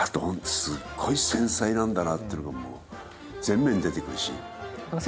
すっごい繊細なんだなっていうのがもう全面に出てくるしありましたね